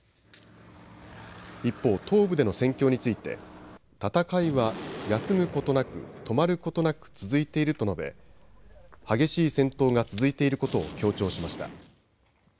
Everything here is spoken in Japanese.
一方、東部での戦況について戦いは休むことなく止まることなく続いていると述べ激しい戦闘が続いていることを強調しました。